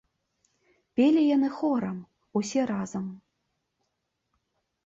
Пелі яны хорам, усе разам.